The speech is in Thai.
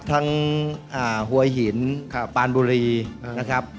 หัวหินปานบุรีนะครับ